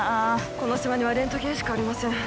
この島にはレントゲンしかありません。